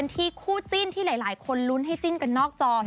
ที่คู่จิ้นที่หลายคนลุ้นให้จิ้นกันนอกจอ